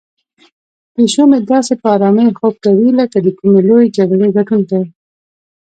پیشو مې داسې په آرامۍ خوب کوي لکه د کومې لویې جګړې ګټونکی.